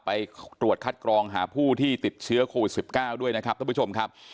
ไปตรวจคัดกรองหาผู้ที่ติดเชื้อโควิด๑๙ด้วยนะครับท่านผู้ชมครับ